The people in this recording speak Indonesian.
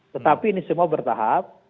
tetapi ini semua bertahap